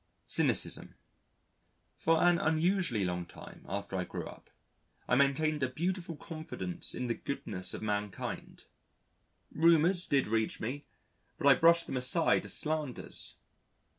Cynicism For an unusually long time after I grew up, I maintained a beautiful confidence in the goodness of mankind. Rumours did reach me, but I brushed them aside as slanders.